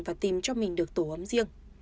và tìm cho mình được tổ ấm riêng